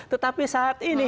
tetapi saat ini